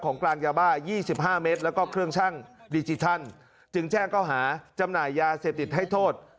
กลางยาบ้า๒๕เมตรแล้วก็เครื่องชั่งดิจิทัลจึงแจ้งเขาหาจำหน่ายยาเสพติดให้โทษ